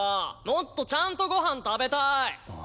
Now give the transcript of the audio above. もっとちゃんとご飯食べたーい。